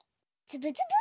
つぶつぶ。